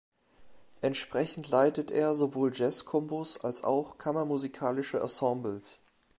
Entsprechend leitet er sowohl Jazz-Combos als auch kammermusikalische Ensembles.